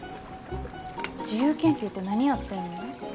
自由研究って何やってんの？